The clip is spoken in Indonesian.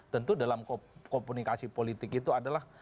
tentu dalam komunikasi politik itu adalah